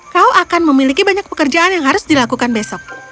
kau akan memiliki banyak pekerjaan yang harus dilakukan besok